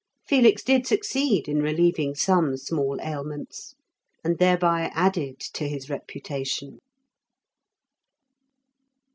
Felix did succeed in relieving some small ailments, and thereby added to his reputation.